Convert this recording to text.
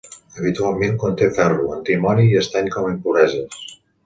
Habitualment conté ferro, antimoni i estany com a impureses.